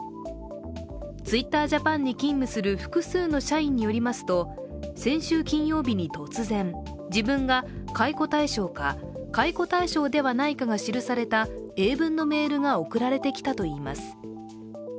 ＴｗｉｔｔｅｒＪａｐａｎに勤務する複数の社員によりますと先週金曜日に突然、自分が解雇対象か解雇対象ではないかが記された英文のメールが送られてきたといいます。